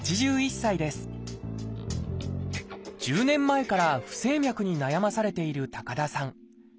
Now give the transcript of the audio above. １０年前から不整脈に悩まされている高田さん。